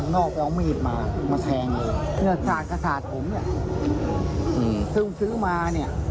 นี่ค่ะ